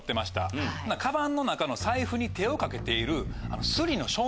カバンの中の財布に手をかけている。